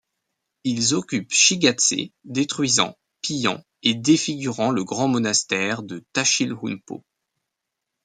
Ils occupent Shigatsé, détruisant, pillant, et défigurant le grand monastère de Tashilhunpo.